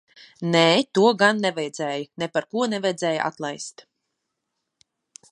Nē, to gan nevajadzēja. Neparko nevajadzēja atlaist.